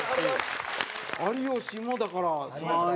有吉も、だから、３位。